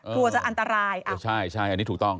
กลัวจะอันตรายใช่อันนี้ถูกต้อง